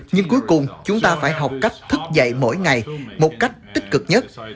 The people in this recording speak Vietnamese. nhưng cuối cùng chúng ta phải học cách thức dạy mỗi ngày một cách tích cực nhất